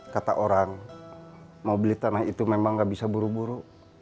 kata orang mau beli tanah itu memang gak bisa buru buru